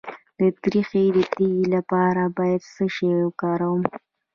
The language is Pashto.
د تریخي د تیږې لپاره باید څه شی وکاروم؟